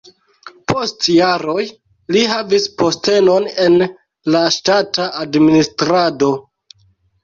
Post jaroj li havis postenon en la ŝtata administrado.